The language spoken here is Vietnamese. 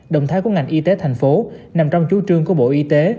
động thái của ngành y tế thành phố nằm trong chú trương của bộ y tế